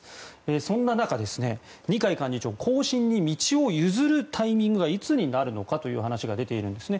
そんな中、二階幹事長後進に道を譲るタイミングはいつになるのかという話が出ているんですね。